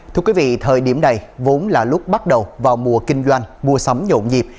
thưa quý vị thời điểm này vốn là lúc bắt đầu vào mùa kinh doanh mua sắm nhộn nhịp